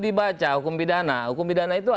dibaca hukum pidana hukum pidana itu